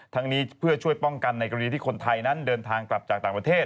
นี้เพื่อช่วยป้องกันในกรณีที่คนไทยนั้นเดินทางกลับจากต่างประเทศ